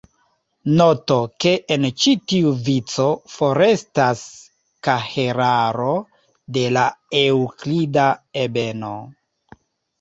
Noto ke en ĉi tiu vico forestas kahelaro de la eŭklida ebeno.